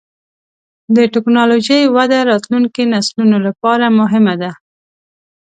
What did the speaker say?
د ټکنالوجۍ وده د راتلونکي نسلونو لپاره مهمه ده.